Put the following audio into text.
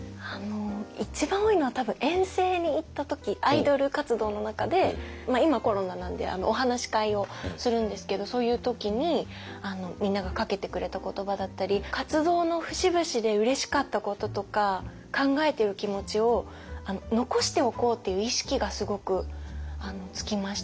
一番多いのは多分遠征に行った時アイドル活動の中で今コロナなんでお話し会をするんですけどそういう時にみんながかけてくれた言葉だったり活動の節々でうれしかったこととか考えてる気持ちを残しておこうっていう意識がすごくつきました。